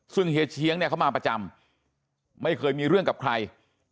ซึ่งเฮียเชียงเนี่ยเขามาประจำไม่เคยมีเรื่องกับใคร